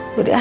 udah deh ah